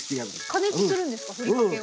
加熱するんですかふりかけを。